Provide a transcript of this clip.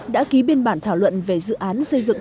đã ký biên bản thảo luận về dự án xây dựng thành phố yên bái